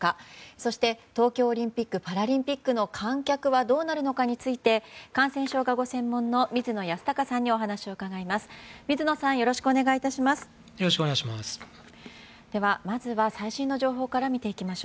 そして、東京オリンピック・パラリンピックの観客はどうなるのかについて感染症がご専門の水野泰孝さんにお話を伺います。